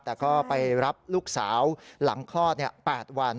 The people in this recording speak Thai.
แต่ก็ไปรับลูกสาวหลังคลอด๘วัน